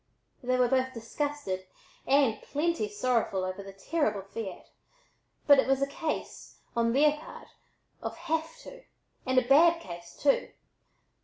They were both disgusted and "plenty sorrowful" over the terrible fiat, but it was a case, on their part, of "have to," and a bad case, too.